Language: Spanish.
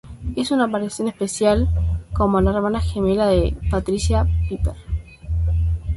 Hizo una aparición especial como la hermana gemela de Patricia, Piper.